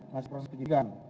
masih proses penyelidikan